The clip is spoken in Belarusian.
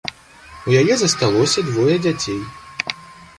У яе засталося двое дзяцей.